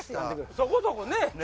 そこそこね。